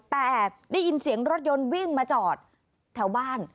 แต่ได้ยินเสียงรถยนต์วิ่งมาจอดแถวบ้าน